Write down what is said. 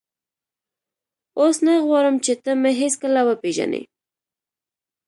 اوس نه غواړم چې ته مې هېڅکله وپېژنې.